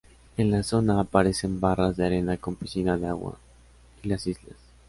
En la zona, aparecen barras de arena con piscina de agua y las islas.